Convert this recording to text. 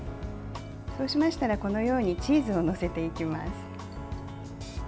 そうしましたら、このようにチーズを載せていきます。